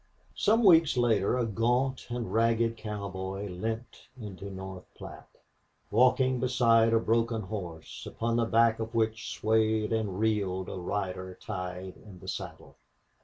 Some weeks later a gaunt and ragged cowboy limped into North Platte, walking beside a broken horse, upon the back of which swayed and reeled a rider tied in the saddle.